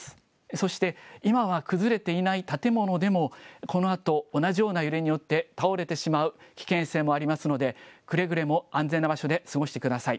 そして今は崩れていない建物でも、このあと、同じような揺れによって倒れてしまう危険性もありますので、くれぐれも安全な場所で過ごしてください。